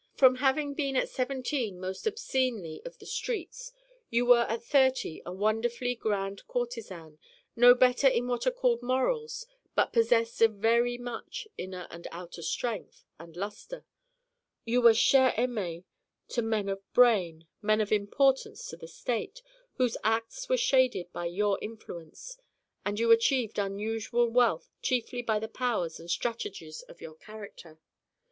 From having been at seventeen most obscenely of the streets you were at thirty a wonderfully grand courtesan: no better in what are called morals but possessed of very much inner and outer strength and luster. You were chère aimèe to men of brain, men of importance to the state, whose acts were shaded by your influence. And you achieved unusual wealth chiefly by the powers and strategies of your character.